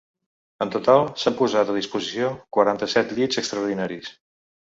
En total s’han posat a disposició quaranta-set llits extraordinaris.